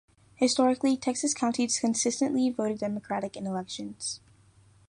Historically, Texas County consistently voted Democratic in elections.